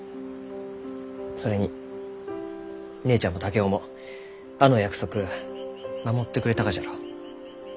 それに姉ちゃんも竹雄もあの約束守ってくれたがじゃろう？